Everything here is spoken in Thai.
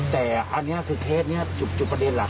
แต่อันนี้คือเคสนี้จุดประเด็นหลัก